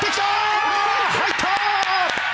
入った！